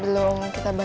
loh kok kenapa